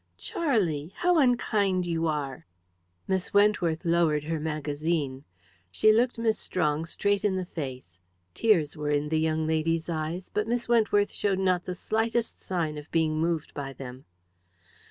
"Charlie! How unkind you are!" Miss Wentworth lowered her magazine. She looked Miss Strong straight in the face. Tears were in the young lady's eyes, but Miss Wentworth showed not the slightest sign of being moved by them.